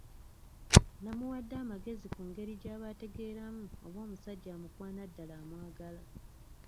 Namuwadde amagezi ku ngeri gy'aba ategeeramu oba omusajja amukwana ddala amwagala.